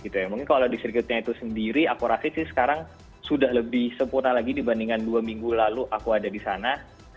mungkin kalau di sirkuitnya itu sendiri aku rasa sih sekarang sudah lebih sempurna lagi dibandingkan dua minggu lalu aku ada di sana